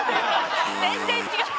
「全然違う」